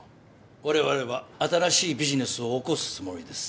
われわれは新しいビジネスを起こすつもりです。